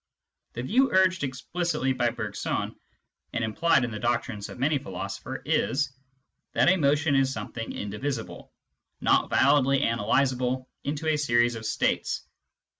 The view urged explicitly by Bergson, and implied in the doctrines of many philosophers, is, that a motion is something indivisible, not validly analysable into a series of states.